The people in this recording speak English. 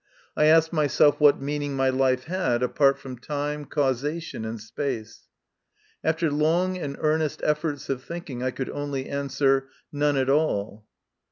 I asked myself what meaning my life had apart from time, causation, and space. After long and earnest efforts of thinking, I could only answer none at all.